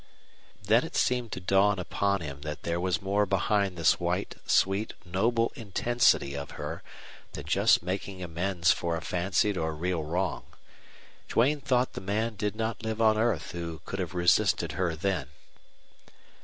Then it seemed to dawn upon him that there was more behind this white, sweet, noble intensity of her than just the making amends for a fancied or real wrong. Duane thought the man did not live on earth who could have resisted her then.